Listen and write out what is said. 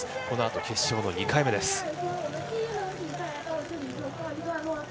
このあと決勝の２回目です。